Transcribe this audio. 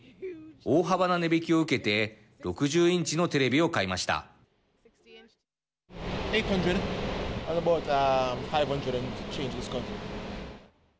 大幅な値引きを受けて６０インチのテレビを買いました。